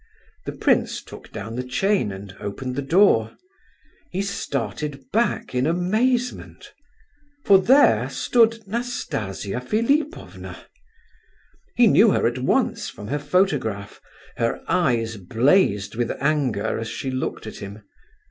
The prince took down the chain and opened the door. He started back in amazement—for there stood Nastasia Philipovna. He knew her at once from her photograph. Her eyes blazed with anger as she looked at him.